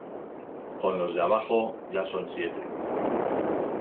con los de abajo ya son siete.